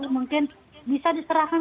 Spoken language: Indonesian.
mungkin bisa diserahkan